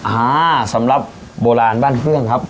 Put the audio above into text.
อะสำหรับโบราณด้านเพื่อนครับ